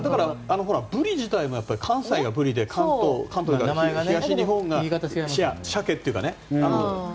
ブリ自体も関西はブリで東日本がシャケというか。